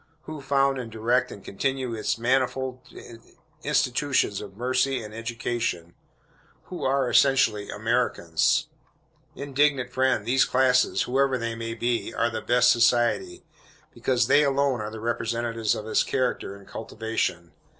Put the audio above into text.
Who found, and direct, and continue its manifold institutions of mercy and education? Who are, essentially, Americans? Indignant friend, these classes, whoever they may be, are the "best society," because they alone are the representatives of its character and cultivation.